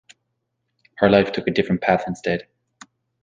Her life took a different path instead.